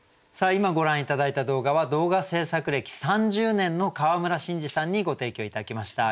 今ご覧頂いた動画は動画制作歴３０年の川村伸司さんにご提供頂きました。